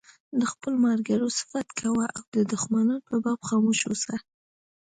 د خپلو ملګرو صفت کوه او د دښمنانو په باب خاموش اوسه.